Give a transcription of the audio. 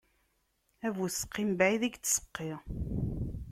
Abuseqqi mebɛid i yettseqqi.